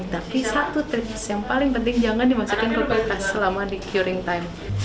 tapi satu tips yang paling penting jangan dimasukin ke kertas selama di curing time